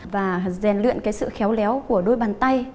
và rèn luyện cái sự khéo léo của đôi bàn tay